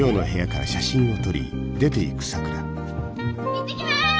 行ってきます！